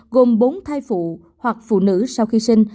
gồm bốn thai phụ hoặc phụ nữ sau khi sinh